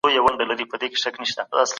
دباندي غږ دی وګوره څوک دي.